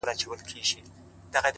• بس که! آسمانه نور یې مه زنګوه,